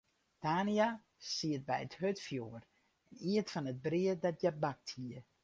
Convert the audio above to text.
Tania siet by it hurdfjoer en iet fan it brea dat hja bakt hie.